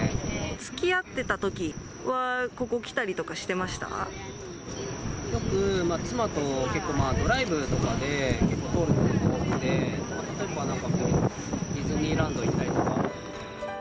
つきあってたときは、ここ、よく妻と、結構、ドライブとかで結構、通ることが多くて、ディズニーランド行ったりとか。